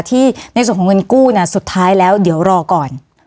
ในส่วนของเงินกู้เนี่ยสุดท้ายแล้วเดี๋ยวรอก่อน